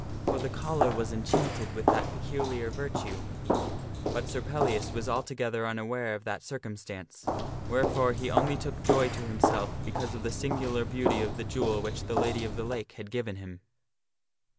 For the collar was enchanted with that peculiar virtue ; but Sir Pellias was altogether unaware of that circumstance, wherefore he only took joy to himself because of the singu lar beauty of the jewel which the Lady of the Lake had given him.